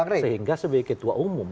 sehingga sebagai ketua umum